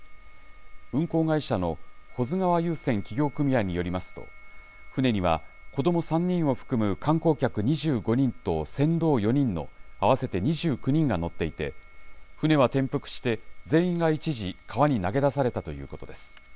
運航会社の保津川遊船企業組合によりますと、舟には子ども３人を含む観光客２５人と船頭４人の合わせて２９人が乗っていて、舟は転覆して、全員が一時、川に投げ出されたということです。